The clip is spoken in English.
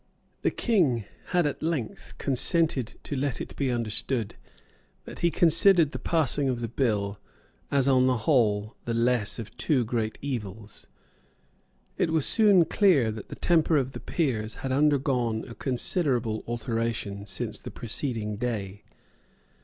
The King had at length consented to let it be understood that he considered the passing of the bill as on the whole the less of two great evils. It was soon clear that the temper of the Peers had undergone a considerable alteration since the preceding day.